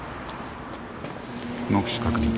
目視確認。